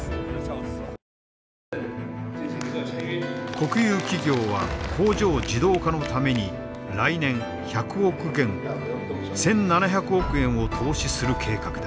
国有企業は工場自動化のために来年１００億元１，７００億円を投資する計画だ。